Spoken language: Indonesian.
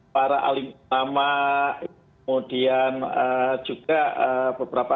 para alimut nama kemudian juga beberapa